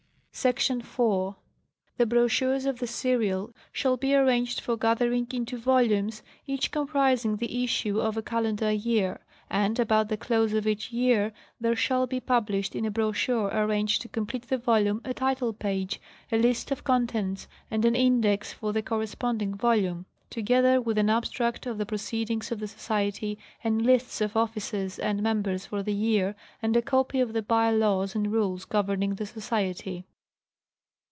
Sec. 4. The brochures of the serial shall be arranged for gathering into volumes, each comprising the issue of a calendar year ; and about the close of each year there shall be published in a brochure arranged to complete the volume a title page, a list of contents, and an index for the corresponding volume, together with an abstract of the proceedings of the Society and lists of officers and members for the year, and a copy of the by laws and rules governing the Society.